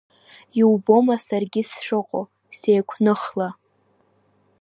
Иубома саргьы сшыҟоу сеиқәныхла!